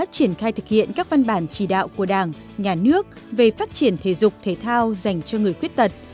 triển khai thực hiện các văn bản chỉ đạo của đảng nhà nước về phát triển thể dục thể thao dành cho người khuyết tật